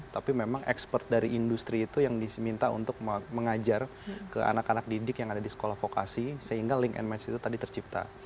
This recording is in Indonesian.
tapi memang expert dari industri itu yang diminta untuk mengajar ke anak anak didik yang ada di sekolah vokasi sehingga link and match itu tadi tercipta